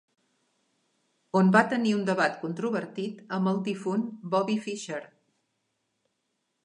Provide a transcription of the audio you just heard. On va tenir un debat controvertit amb el difunt Bobby Fischer.